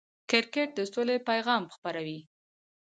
کرکټ د سولې پیغام خپروي.